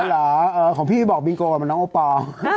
เออหรือของพี่บอกบิงโกกับน้องโอปอล์